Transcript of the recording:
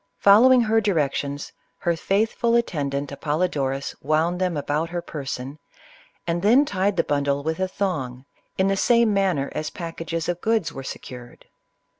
Following her directions, her faithful attendant Apol lodorus wound them about her person, and then tied the bundle with a thong in the same manner as pack ages of goods were secured.